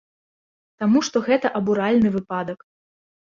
Таму што гэта абуральны выпадак.